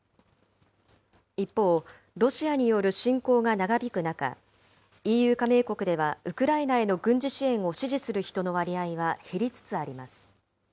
一方、ロシアによる侵攻が長引く中、ＥＵ加盟国ではウクライナへの軍事支援を支持する人の割合は減りつつあります。